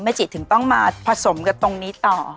จิถึงต้องมาผสมกับตรงนี้ต่อ